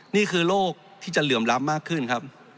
นี่คือโลกที่จะเหลื่อมล้ำมากขึ้นครับ